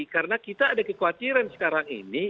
karena kita ada kekhawatiran sekarang ini